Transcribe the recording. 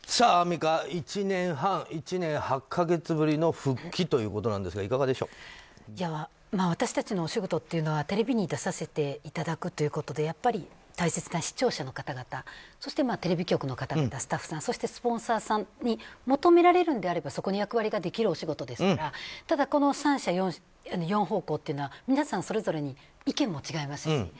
アンミカ、１年８か月ぶりの復帰ということですが私たちのお仕事っていうのはテレビに出させていただくということでやっぱり大切な視聴者の方々そしてテレビ局の方々スタッフさん、スポンサーさんに求められるのであればそこの役割ができるお仕事ですから３社４方向というのは皆さんそれぞれに意見も違います。